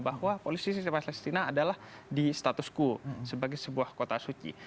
bahwa polisi siswa palestina adalah di status quo sebagai sebuah kota suci